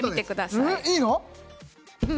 いいの。